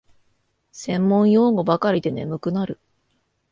専門用語ばかりで眠くなる